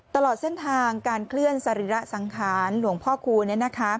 ตลอดเส้นทางการเคลื่อนสรีระสังขารหลวงพ่อคูณ